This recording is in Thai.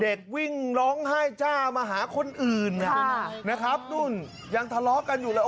อ๋อเด็กนะเด็กวิ่งร้องไห้จ้ามาหาคนอื่นน่ะนะครับนู่นยังทะเลาะกันอยู่แล้ว